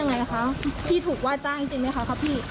ไม่ได้ว่าจ้างเหรอ